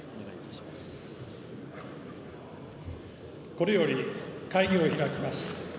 これより会議を開きます。